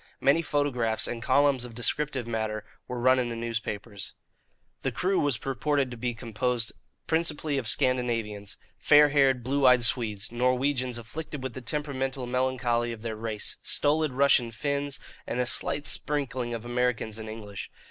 Many photographs and columns of descriptive matter were run in the newspapers. The crew was reported to be composed principally of Scandinavians fair haired, blue eyed Swedes, Norwegians afflicted with the temperamental melancholy of their race, stolid Russian Finns, and a slight sprinkling of Americans and English.